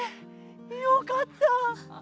よかった。